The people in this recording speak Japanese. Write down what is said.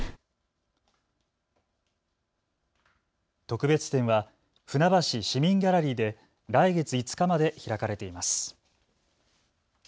特別展は船橋市民ギャラリーで来月５日まで開かれています。